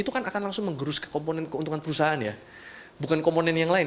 itu akan langsung mengerus ke komponen keuntungan perusahaan bukan komponen yang lain